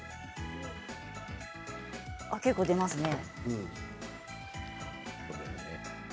結構出ますね。